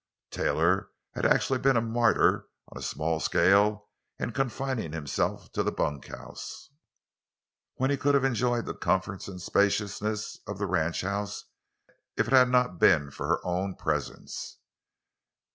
Taylor had actually been a martyr on a small scale in confining himself to the bunkhouse, when he could have enjoyed the comforts and spaciousness of the ranchhouse if it had not been for her own presence.